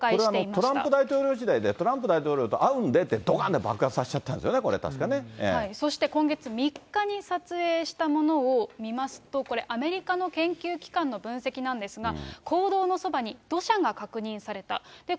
これは、トランプ大統領時代で、トランプ大統領と会うんで、どかんと爆発させちゃったんですよね、そして、今月３日に撮影したものを見ますと、これ、アメリカの研究機関の分析なんですが、坑道のそばに土砂が確認された。